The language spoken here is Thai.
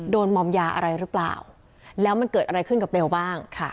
มอมยาอะไรหรือเปล่าแล้วมันเกิดอะไรขึ้นกับเบลบ้างค่ะ